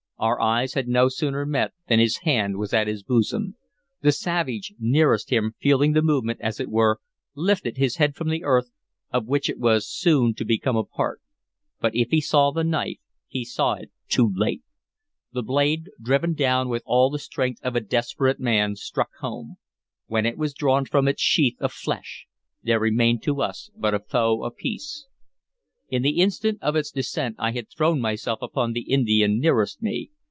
Our eyes had no sooner met than his hand was at his bosom. The savage nearest him, feeling the movement, as it were, lifted his head from the earth, of which it was so soon to become a part; but if he saw the knife, he saw it too late. The blade, driven down with all the strength of a desperate man, struck home; when it was drawn from its sheath of flesh, there remained to us but a foe apiece. In the instant of its descent I had thrown myself upon the Indian nearest me.